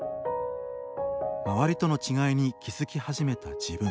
周りとの違いに気付き始めた自分。